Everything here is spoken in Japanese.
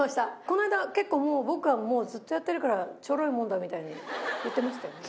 この間「結構僕はずっとやってるからチョロいもんだ」みたいに言ってましたよね？